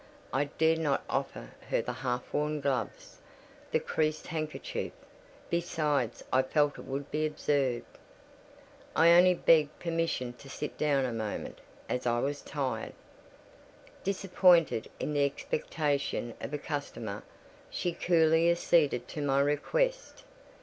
I dared not offer her the half worn gloves, the creased handkerchief: besides, I felt it would be absurd. I only begged permission to sit down a moment, as I was tired. Disappointed in the expectation of a customer, she coolly acceded to my request.